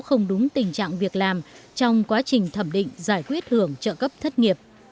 không đúng tình trạng việc làm trong quá trình thẩm định giải quyết hưởng trợ cấp thất nghiệp